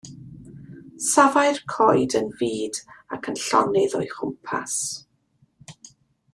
Safai'r coed yn fud ac yn llonydd o'i chwmpas.